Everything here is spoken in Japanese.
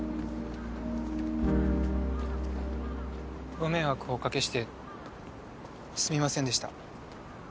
ご迷惑をおかけしてすみませんでした。